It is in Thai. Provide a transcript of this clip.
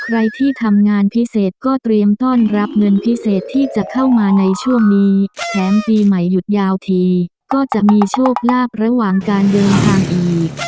ใครที่ทำงานพิเศษก็เตรียมต้อนรับเงินพิเศษที่จะเข้ามาในช่วงนี้แถมปีใหม่หยุดยาวทีก็จะมีโชคลาภระหว่างการเดินทางอีก